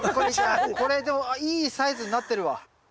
これでもいいサイズになってるわ。